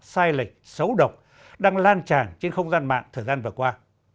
sai lệch xấu độc đang lan tràn trên không gian mạng thời gian vừa qua